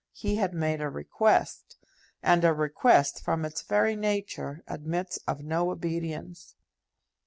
He had made a request, and a request, from its very nature, admits of no obedience.